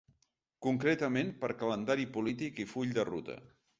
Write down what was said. Concretament, per calendari polític i full de ruta.